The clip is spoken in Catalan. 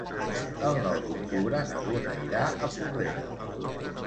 El nou d'octubre na Duna irà a Porrera.